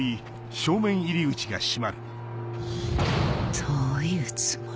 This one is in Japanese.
どういうつもり？